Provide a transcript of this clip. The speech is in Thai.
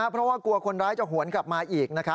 เพราะกลัวว่าคนร้ายจะห่วงกลับมาอีก